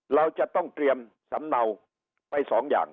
เราจะต้องเตรียมสำเนาไปสองอย่าง